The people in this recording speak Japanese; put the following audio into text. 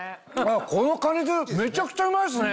このカニ酢めちゃくちゃうまいっすね。